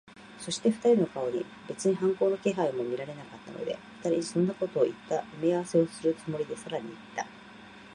そして、二人の顔に別に反抗の気配も見られなかったので、二人にそんなことをいった埋合せをするつもりで、さらにいった。